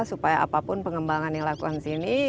supaya apapun pengembangan yang dilakukan di sini